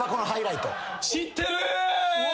知ってる！